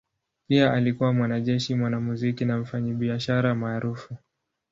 Pia alikuwa mwanajeshi, mwanamuziki na mfanyabiashara maarufu.